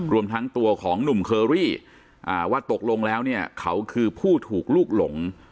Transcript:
รวมทั้งตัวของหนุ่มเคอรี่ว่าตกลงแล้วเนี่ยเขาคือผู้ถูกลูกหลง